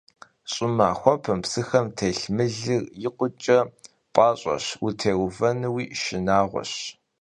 Ş'ımaxuepem psıxem têlh mılır yikhuç'e p'aş'eş, vutêhenui şşınağueş.